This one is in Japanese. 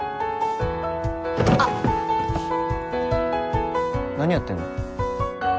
あっ何やってんの？